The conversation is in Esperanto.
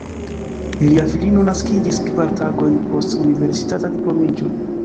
Ilia filino naskiĝis kvar tagojn post universitata diplomiĝo.